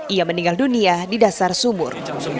ia meninggal dunia di dasar sumur